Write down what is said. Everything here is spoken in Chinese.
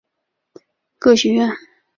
各学院亦附设各类科学研究中心。